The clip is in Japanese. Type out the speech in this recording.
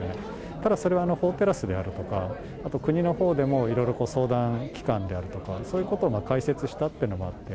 ただ、それは法テラスであるとか、あと国のほうでも、いろいろ相談機関であるとか、そういうことを開設したということもあって、